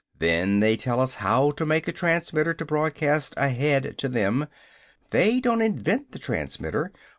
Then they tell us how to make a transmitter to broadcast ahead to them. They don't invent the transmitter.